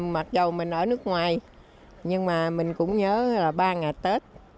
mặc dù mình ở nước ngoài nhưng mà mình cũng nhớ là ba ngày tết